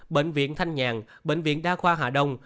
bệnh viện thanh nhàn bệnh viện đa khoa hà đông